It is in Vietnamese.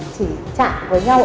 chỉ chạm với nhau